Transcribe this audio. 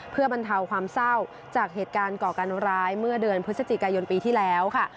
เพื่อบรรเทาความเศร้าจากเหตุการณ์ก่อการร้ายเมื่อเดือนพฤศจิกายนปีที่แล้วค่ะ